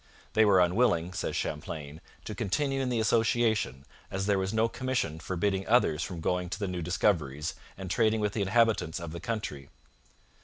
'They were unwilling,' says Champlain, 'to continue in the association, as there was no commission forbidding others from going to the new discoveries and trading with the inhabitants of the country.